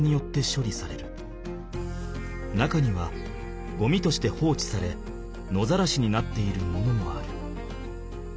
中にはゴミとして放置され野ざらしになっているものもある。